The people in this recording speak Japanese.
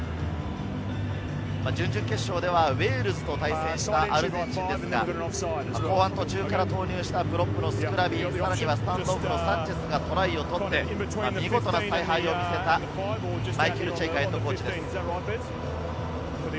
準々決勝ではウェールズと対戦したアルゼンチンですが、後半途中から投入したスクラビ、さらにサンチェスがトライを取って、見事な采配を見せた、マイケル・チェイカＨＣです。